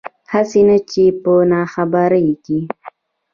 هسې نه چې پۀ ناخبرۍ کښې